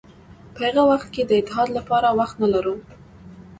په هغه وخت کې د اتحاد لپاره وخت نه لرو.